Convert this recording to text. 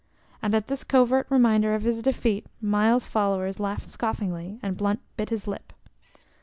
And at this covert reminder of his defeat Myles's followers laughed scoffingly and Blunt bit his lip.